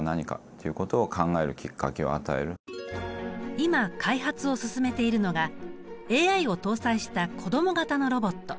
今開発を進めているのがＡＩを搭載した子供型のロボット。